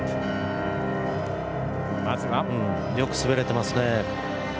よく滑れてますね。